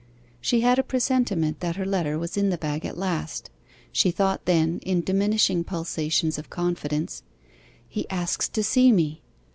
She had a presentiment that her letter was in the bag at last. She thought then in diminishing pulsations of confidence, 'He asks to see me!